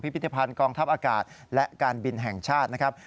พิธภัณฑ์กองทัพอากาศและการบินแห่งชาตินะครับ